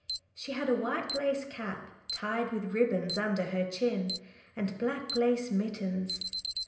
She had a white lace cap, tied with ribbons under her chin, and black lace mittens.